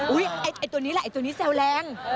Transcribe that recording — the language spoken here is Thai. ไอ้ตัวนี้แหละไอ้ตัวนี้แซวแรง